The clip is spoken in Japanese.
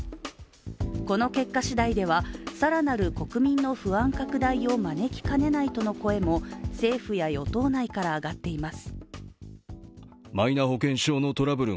この結果しだいでは、更なる国民の不安拡大を招きかねないとの声も政府や与党内から上がっています。